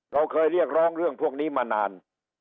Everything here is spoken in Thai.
เราเคยเรียกร้องเรื่องพวกนี้มานาน